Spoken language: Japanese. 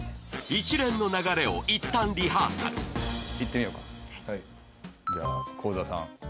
一連の流れをいったんリハーサルいってみようかはい幸澤さん